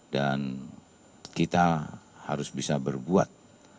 dan kita harus bisa berbuat